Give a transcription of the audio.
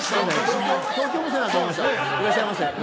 いらっしゃいませ。